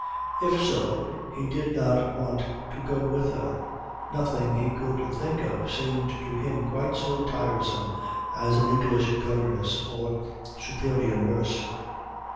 If so he did not want to go with her; nothing he could think of seemed to him quite so tiresome as an English governess or superior nurse.